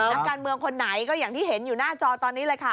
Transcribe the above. นักการเมืองคนไหนก็อย่างที่เห็นอยู่หน้าจอตอนนี้เลยค่ะ